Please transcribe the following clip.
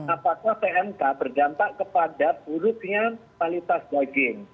apakah pmk berjantak kepada surutnya kualitas daging